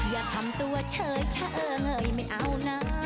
อย่าทำตัวเฉยเอ่ยไม่เอานะ